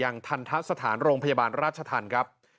ทันทะสถานโรงพยาบาลราชธรรมครับ